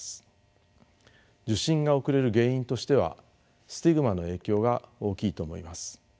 受診が遅れる原因としてはスティグマの影響が大きいと思います。